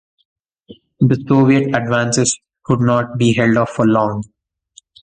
The Soviet advances could not be held off for long.